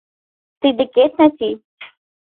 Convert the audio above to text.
— Тый декет, Нати...